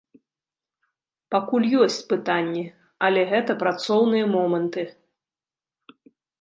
Пакуль ёсць пытанні, але гэта працоўныя моманты.